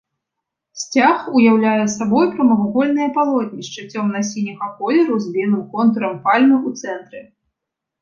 Сцяг уяўляе сабой прамавугольнае палотнішча цёмна-сіняга колеру з белым контурам пальмы ў цэнтры.